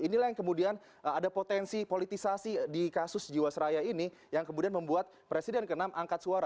inilah yang kemudian ada potensi politisasi di kasus jiwasraya ini yang kemudian membuat presiden ke enam angkat suara